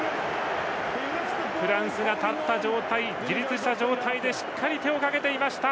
フランスが立った状態自立した状態でしっかり手をかけていました。